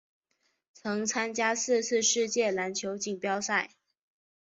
曾参加四次世界篮球锦标赛。